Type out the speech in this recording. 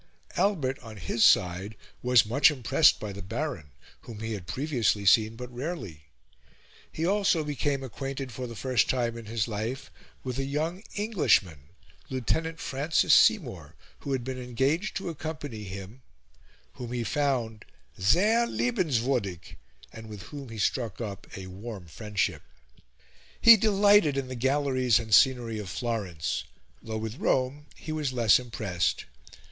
Albert on his side was much impressed by the Baron, whom he had previously seen but rarely; he also became acquainted, for the first time in his life, with a young Englishman, Lieutenant Francis Seymour, who had been engaged to accompany him, whom he found sehr liebens wurdig, and with whom he struck up a warm friendship. He delighted in the galleries and scenery of Florence, though with Rome he was less impressed.